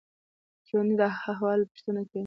ژوندي د حال احوال پوښتنه کوي